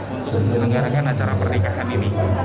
untuk menyelenggarakan acara pernikahan ini